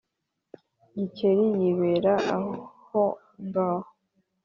Gikeli yibera ahongaho,